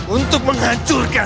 untuk menghancurkan semua